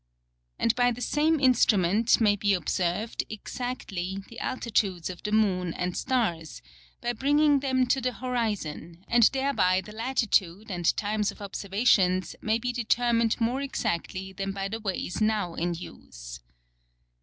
And by the same Instrument, may be observed, exactly, the Altitudes of the Moon and Stars, by bringing them to the Horizon; and thereby the Latitude, and Times of Observations, may be determined more exactly than by the Ways now in Use.